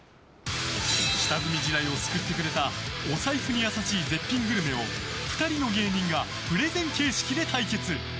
下積み時代を救ってくれたお財布に優しい絶品グルメを２人の芸人がプレゼン形式で対決。